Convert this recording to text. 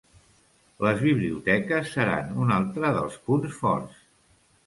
Les biblioteques seran un altre dels punts forts.